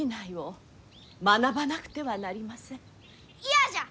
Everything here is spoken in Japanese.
嫌じゃ！